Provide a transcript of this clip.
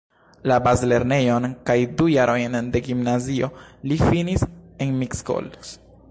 La bazlernejon kaj du jarojn de gimnazio li finis en Miskolc.